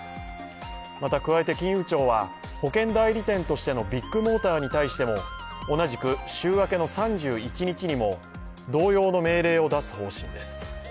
また、加えて金融庁は保険代理店としてのビッグモーターに対しても同じく週明けの３１日にも同様の命令を出す方針です。